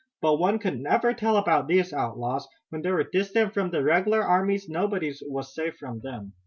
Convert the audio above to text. But one could never tell about these outlaws. When they were distant from the regular armies nobody was safe from them.